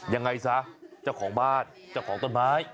ยังไงซะเจ้าของบ้านเจ้าของต้นไม้